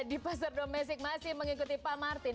di pasar domestik masih mengikuti pak martin